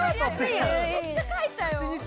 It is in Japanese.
めっちゃかいたよ！